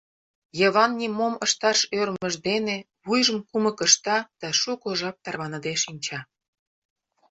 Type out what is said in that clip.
Йыван нимом ышташ ӧрмыж дене вуйжым кумык ышта да шуко жап тарваныде шинча.